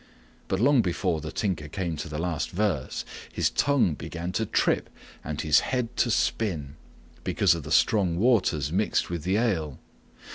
But long before the Tinker came to the last verse his tongue began to trip and his head to spin, because of the strong waters mixed with the ale.